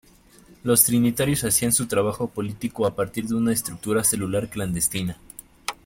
Los trinitarios hacían su trabajo político a partir de una estructura celular clandestina.